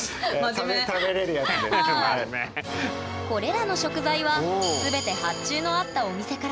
これらの食材は全て発注のあったそっか。